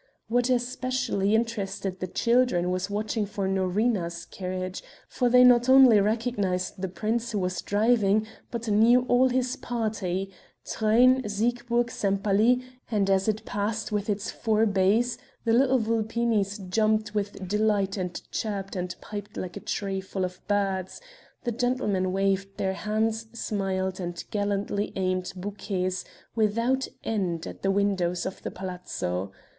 What especially interested the children was watching for Norina's carriage, for they not only recognized the prince who was driving, but knew all his party: Truyn, Siegburg, Sempaly, and as it passed with its four bays the little Vulpinis jumped with delight and chirped and piped like a tree full of birds; the gentlemen waved their hands, smiled, and gallantly aimed bouquets without end at the windows of the palazzo.